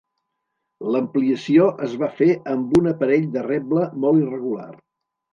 L'ampliació es va fer amb un aparell de reble molt irregular.